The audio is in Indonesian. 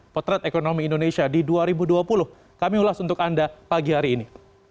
potret ekonomi indonesia di dua ribu dua puluh kami ulas untuk anda pagi hari ini